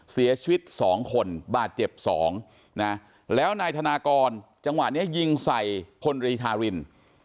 เสียชีวิต๒คนบาดเจ็บ๒นะแล้วนายธนากรจังหวะนี้ยิงใส่พลตรีธาริน